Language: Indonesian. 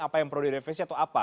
apa yang perlu direvisi atau apa